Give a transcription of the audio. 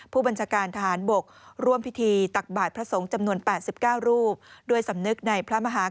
ผู้บัญชกันทหารบกร่วมพิธีตักบาตรพระสงฆ์จำนวน๘๙รูป